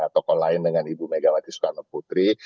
tokoh lain dengan ibu megawati soekarno putri